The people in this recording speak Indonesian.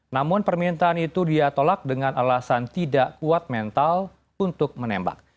namun permintaan itu dia tolak dengan alasan tidak kuat mental untuk menembak